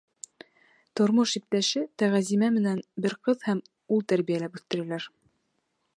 Тормош иптәше Тәғәзимә менән бер ҡыҙ һәм ул тәрбиәләп үҫтерәләр.